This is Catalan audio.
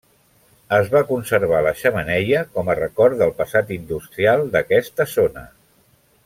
Es va conservar la xemeneia com a record del passat industrial d'aquesta zona.